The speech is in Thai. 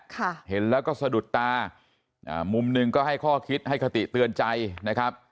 ค่ะเห็นแล้วก็สะดุดตาอ่ามุมหนึ่งก็ให้ข้อคิดให้คติเตือนใจนะครับ